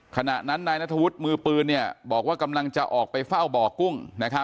ขณะนั้นนายนุฒิวิตมือปื้นกำลังจะออกไปเฝ้าบ่อกุ้ง